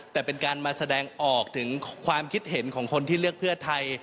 แต่เป็นการมาแสดงออกถึงความคิดเห็นของคนที่เลือกเพื่อไทย